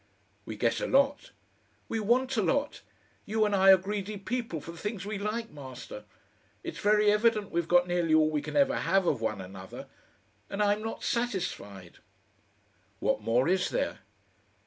"We get a lot." "We want a lot. You and I are greedy people for the things we like, Master. It's very evident we've got nearly all we can ever have of one another and I'm not satisfied." "What more is there?